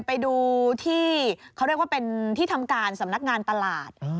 ไปดูที่เขาเรียกว่าเป็นที่ทำการสำนักงานตลาด